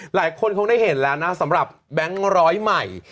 หลายคนคงได้เห็นแล้วนะสำหรับแบงค์ร้อยใหม่